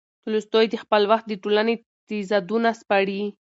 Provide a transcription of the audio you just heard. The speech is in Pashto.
تولستوی د خپل وخت د ټولنې تضادونه سپړي.